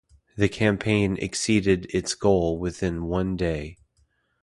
The campaign exceeded its goal within one day.